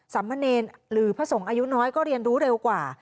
สำมะเนรหรือพระสงฆ์อายุน้อยก็เรียนรู้เร็วกว่า